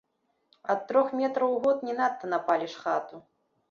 Ад трох метраў у год не надта напаліш хату.